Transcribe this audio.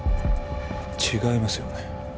違いますよね